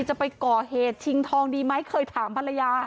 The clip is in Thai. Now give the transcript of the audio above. จะไปก่อเหตุชิงทองดีไหมเคยถามภรรยา